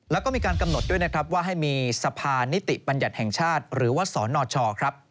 แล้วก็มีการกำหนดด้วยนะครับว่าให้มีสะพานนิติบัญญัติแห่งชาติหรือว่าสนชครับ